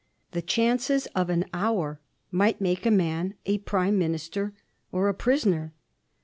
The chances of an hour might make a man a prime minister or a prisoner.